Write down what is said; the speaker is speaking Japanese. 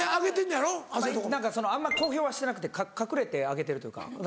あんま公表はしてなくて隠れて上げてるというか。